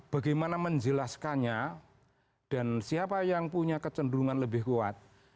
bagaimana menjelaskannya dan siapa yang punya kecenderungan lebih kuat